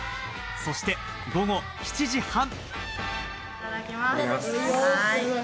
そして午後７時３０分。